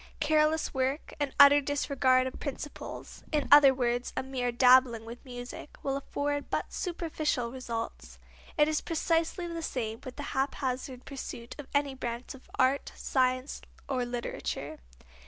Careless work, an utter disregard of principles, in other words, a mere dabbling with music, will afford but superficial results. It is precisely the same with a haphazard pursuit of any branch of art, science, or literature.